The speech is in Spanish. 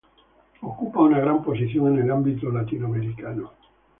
Ocupa una gran posición en el ámbito latinoamericano.